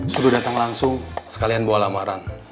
sudah datang langsung sekalian bawa lamaran